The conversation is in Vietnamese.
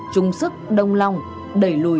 chung sức đồng lòng đẩy lùi dịch covid một mươi chín